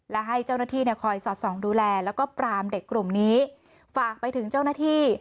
และให้เจ้าหน้าที่เนี่ยคอยสอดส่องดูแลแล้วก็ปรามเด็กกลุ่มนี้ฝากไปถึงเจ้าหน้าที่